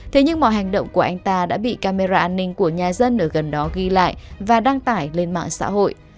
thế nhưng mọi hành động của anh ta đã bị camera an ninh của nhà dân ở gần đó ghi lại và đăng tải lên mạng xã hội